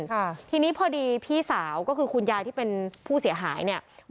ค่ะทีนี้พอดีพี่สาวก็คือคุณยายที่เป็นผู้เสียหายเนี่ย